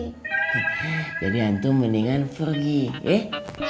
he he jadi anu mendingan pergi eh